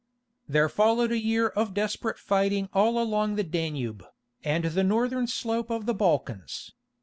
There followed a year of desperate fighting all along the Danube, and the northern slope of the Balkans.